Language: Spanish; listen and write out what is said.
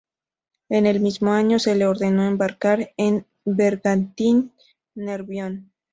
En el mismo año, se le ordenó embarcar en el bergantín "Nervión".